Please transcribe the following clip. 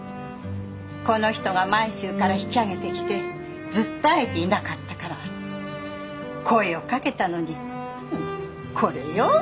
この人が満州から引き揚げてきてずっと会えていなかったから声をかけたのにこれよ。